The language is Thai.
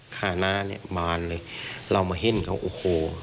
ฆ่าน้าเนี่ยมารเลยเรามาเห็นเขาโอ้โห